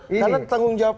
karena tanggung jawab itu